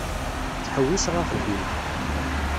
Ttḥewwiseɣ axeddim.